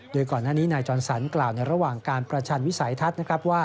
โดยก่อนหน้านี้นายจอนสันกล่าวระหว่างการประชันวิสัยทัศน์